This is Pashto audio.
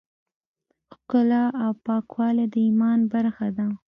ښکلا او پاکوالی د ایمان برخه ده.